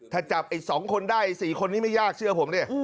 ถ้าจับอีก๒คนได้๔คนนี้ไม่ยากเชื่อผม